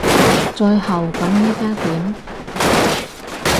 最後咁依家點？